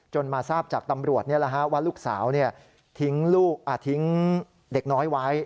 มาทราบจากตำรวจว่าลูกสาวทิ้งเด็กน้อยไว้